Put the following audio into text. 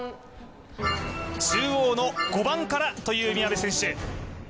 中央の５番からという宮部選手